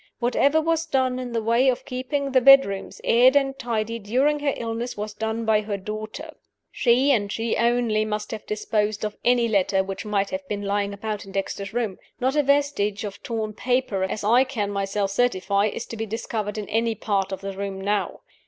Whatever was done in the way of keeping the bedrooms aired and tidy during her illness was done by her daughter. She, and she only, must have disposed of any letter which might have been lying about in Dexter's room. Not a vestige of torn paper, as I can myself certify, is to be discovered in any part of the room now.